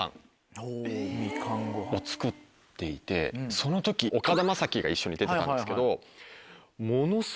その時岡田将生が一緒に出てたんですけど。